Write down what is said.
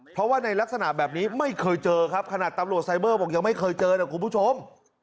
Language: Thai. เพราะว่าในลักษณะแบบนี้ไม่เคยเจอครับขนาดตำรวจไซเบอร์บอกยังไม่เคยเจอนะคุณผู้ชม